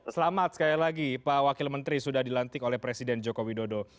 selamat sekali lagi pak wakil menteri sudah dilantik oleh presiden joko widodo